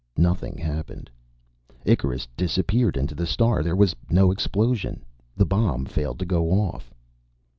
Nothing happened. Icarus disappeared into the star. There was no explosion. The bomb failed to go off.